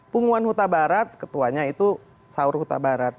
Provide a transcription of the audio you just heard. punggungan huta barat ketuanya itu saur huta barat